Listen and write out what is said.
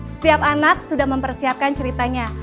setiap anak sudah mempersiapkan ceritanya